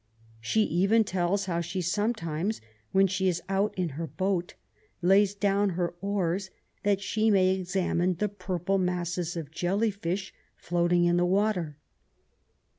She even tells how she sometimes, when she is out in her boat, lays down her oars that she may examine the purple masses of jelly fish floating in the water.